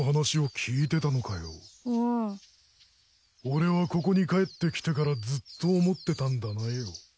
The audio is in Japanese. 俺はここに帰ってきてからずっと思ってたんだなよ。